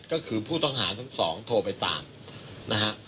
ก็คือผู้ต้องหาทั้งสองโทรไปตามนะฮะ